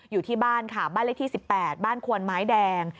อยู่ที่บ้านค่ะบ้านเลขที่๑๘บ้านควนไม้แดง